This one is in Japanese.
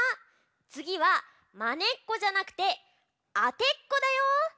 つぎはまねっこじゃなくてあてっこだよ。